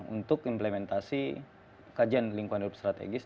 untuk implementasi kajian lingkungan hidup strategis